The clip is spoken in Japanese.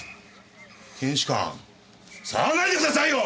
検視官触らないでくださいよ！